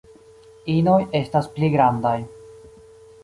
Inoj estas pli grandaj.